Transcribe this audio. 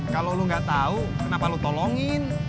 kalau lo gak tahu kenapa lo tolongin